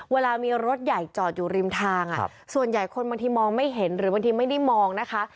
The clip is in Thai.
เวลามีรถใหญ่จอดอยู่ริมทางส่วนใหญ่คนบางทีมองไม่เห็นหรือบางทีไม่ได้มองนะคะ